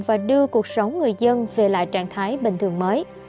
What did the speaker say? và đưa cuộc sống người dân về lại trạng thái bình thường mới